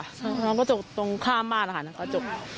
สะท้อนกระจกตรงข้ามบ้านอะค่ะนั่นกระจก